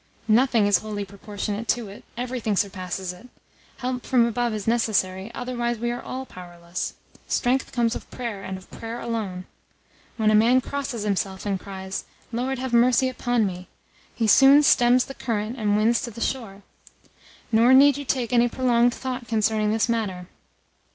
"Nothing is wholly proportionate to it everything surpasses it. Help from above is necessary: otherwise we are all powerless. Strength comes of prayer, and of prayer alone. When a man crosses himself, and cries, 'Lord, have mercy upon me!' he soon stems the current and wins to the shore. Nor need you take any prolonged thought concerning this matter.